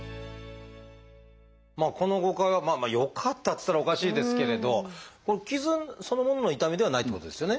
まあこの誤解はよかったっつったらおかしいですけれど傷そのものの痛みではないってことですよね？